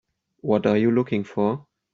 What are you looking for?